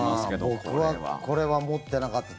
僕はこれは持ってなかった。